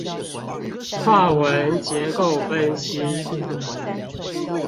法文結構分析